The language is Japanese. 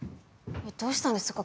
どうしたんですか？